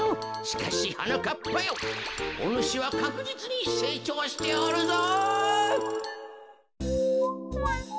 しかしはなかっぱよおぬしはかくじつにせいちょうしておるぞ。